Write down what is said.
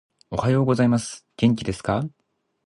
おはようございます。元気ですか？